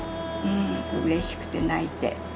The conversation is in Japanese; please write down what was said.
うれしくて泣いて。